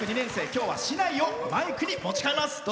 今日は竹刀をマイクに持ち替えます。